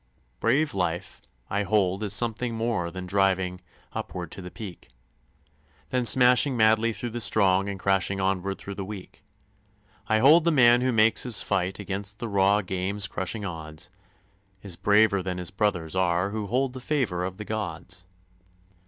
Brave Life, I hold, is something more than driving upward to the peak; Than smashing madly through the strong, and crashing onward through the weak; I hold the man who makes his fight against the raw game's crushing odds Is braver than his brothers are who hold the favor of the gods.